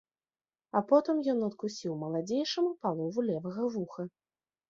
А потым ён адкусіў маладзейшаму палову левага вуха.